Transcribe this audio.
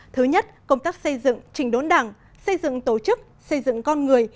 thứ nhất công tác xây dựng trình đốn đảng xây dựng tổ chức xây dựng con người